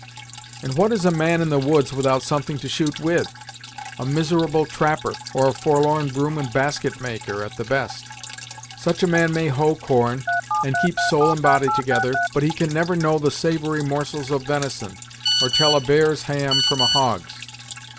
"And what is a man in the woods without something to shoot with? a miserable trapper, or a forlorn broom and basket maker, at the best. Such a man may hoe corn, and keep soul and body together, but he can never know the savory morsels of venison, or tell a bear's ham from a hog's.